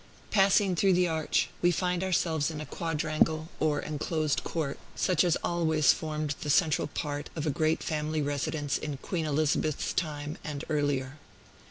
Passing through the arch, we find ourselves in a quadrangle, or enclosed court, such as always formed the central part of a great family residence in Queen Elizabeth's time, and earlier.